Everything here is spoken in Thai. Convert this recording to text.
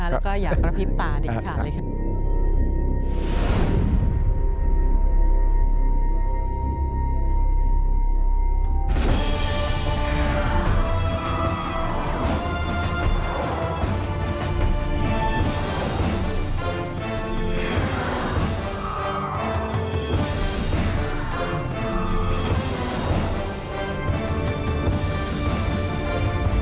แล้วก็อย่ากระพริบตาดีกว่าค่ะ